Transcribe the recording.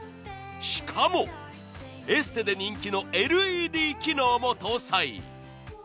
しかも、エステで人気のＬＥＤ機能も搭載。